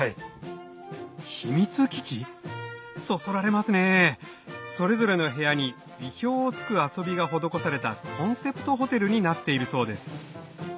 そそられますねそれぞれの部屋に意表を突く遊びが施されたコンセプトホテルになっているそうです